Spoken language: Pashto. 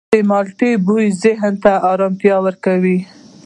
د مالټې بوی ذهني آرامتیا ورکوي.